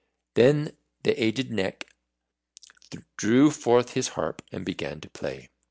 Then the aged Neck drew forth his harp and began to play.